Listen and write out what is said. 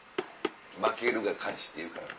負けるが勝ちっていうからな。